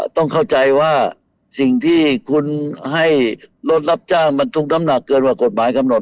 ต้องเข้าใจว่าสิ่งที่คุณให้รถรับจ้างบรรทุกน้ำหนักเกินกว่ากฎหมายกำหนด